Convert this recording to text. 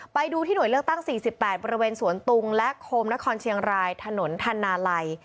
ไปดูที่หน่วยเลือกตั้ง๔๘บริเวณสวนตุงและโคมนครเชียงรายถนนธนาลัย